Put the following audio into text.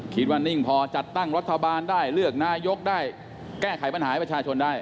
นิ่งพอจัดตั้งรัฐบาลได้เลือกนายกได้แก้ไขปัญหาให้ประชาชนได้